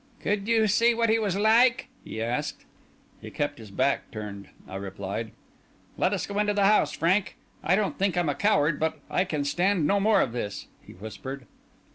"Could you see what he was like?" he asked. "He kept his back turned," I replied. "Let us get into the house, Frank. I don't think I'm a coward, but I can stand no more of this," he whispered.